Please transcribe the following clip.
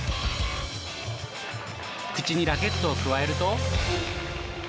口にラケットをくわえると。